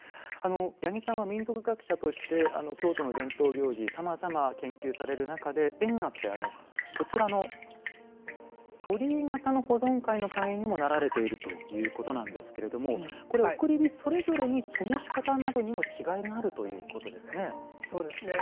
八木さんは民俗学者として京都の伝統行事さまざま研究される中で縁あって鳥居形の保存会の会員にもなられているということですが送り火、それぞれにともし方にも違いがあるということですね。